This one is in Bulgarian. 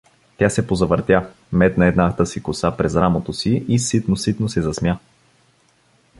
Тя се позавъртя, метна едната си коса през рамото си и ситно-ситно се засмя.